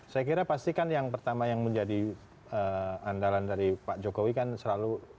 saya kira pasti kan yang pertama yang menjadi andalan dari pak jokowi kan selalu